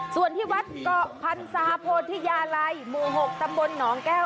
ส่วนที่วัดเกาะพันศาโพธิยาลัยหมู่๖ตำบลหนองแก้ว